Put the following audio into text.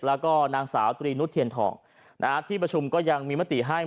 แล้วก็นางสาวตรีนุษเทียนทองนะฮะที่ประชุมก็ยังมีมติให้